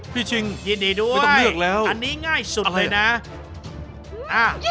พี่จิ้งไม่ต้องเลือกแล้ว